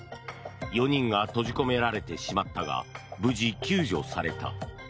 ４人が閉じ込められてしまったが無事、救助された。